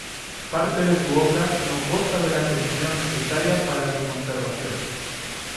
Parte de su obra no goza de la atención necesaria para su conservación.